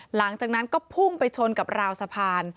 หลังจากนั้นก็พุ่งไปชนกับราวสะพาน